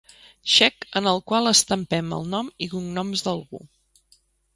Xec en el qual estampem el nom i cognoms d'algú.